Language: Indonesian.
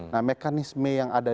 nah mekanisme yang ada